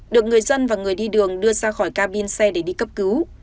được người dân và người đi đường đưa ra khỏi cabin xe để đi cấp cứu